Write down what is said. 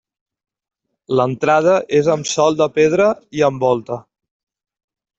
L'entrada és amb sòl de pedra i amb volta.